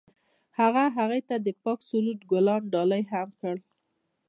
هغه هغې ته د پاک سرود ګلان ډالۍ هم کړل.